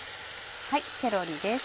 セロリです